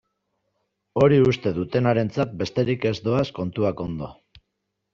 Hori uste dutenarentzat besterik ez doaz kontuak ondo.